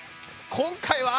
今回は。